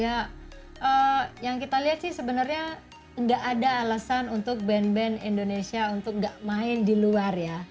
ya yang kita lihat sih sebenarnya nggak ada alasan untuk band band indonesia untuk gak main di luar ya